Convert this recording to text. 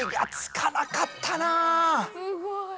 すごい！